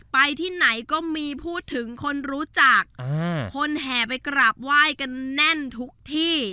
ไปที่ไหนก็มีพูดถึงคนรู้จักคนแห่ไปกราบไหว้กันแน่นทุกที่